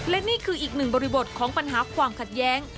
และนี่คืออีกหนึ่งบริบทของปัญหาความขัดแย้ง